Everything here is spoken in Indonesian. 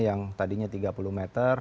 yang tadinya tiga puluh meter